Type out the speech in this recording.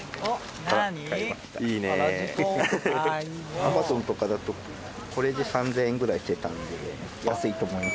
「Ａｍａｚｏｎとかだとこれで３０００円ぐらいしてたんで安いと思います」